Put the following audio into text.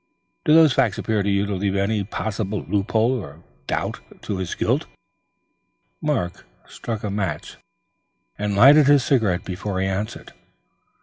Do those facts appear to you to leave any possible loophole of doubt as to his guilt?" Mark struck a match and lighted his cigarette before he answered.